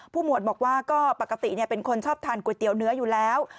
หมวดบอกว่าก็ปกติเป็นคนชอบทานก๋วยเตี๋ยวเนื้ออยู่แล้ว